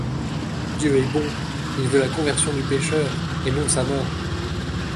Dieu est bon, il veut la conversion du pécheur, et non sa mort !